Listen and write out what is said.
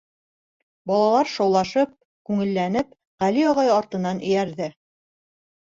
Балалар шаулашып, күңелләнеп Ғәли ағай артынан эйәрҙе.